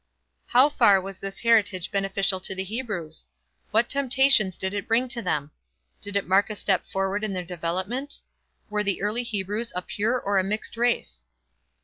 How far was this heritage beneficial to the Hebrews? What temptations did it bring to them? Did it mark a step forward in their development? Were the early Hebrews a pure or a mixed race?